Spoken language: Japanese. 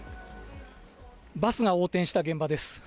バスが横転した現場です。